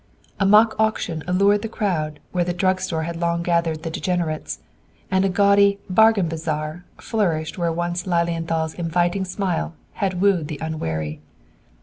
A mock auction allured the crowd, where the drugstore had long gathered the degenerates, and a gaudy "Bargain Bazar" flourished where once Lilienthal's inviting smile had wooed the unwary.